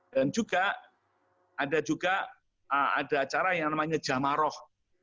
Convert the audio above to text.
dan juga ada acara yang namanya jamaroh